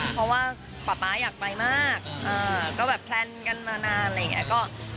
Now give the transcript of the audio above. เพราะว่าป๊าป๊าอยากไปมากก็แบบแพลนกันมานานอะไรอย่างนี้